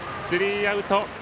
スリーアウト。